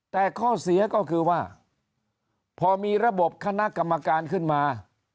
แต่ข้อเสียก็คือว่าพอมีระบบคณะกรรมการขึ้นมา